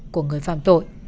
của người phạm tội